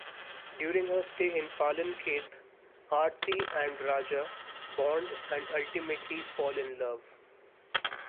During her stay in Palankhet, Aarti and Raja bond and ultimately fall in love.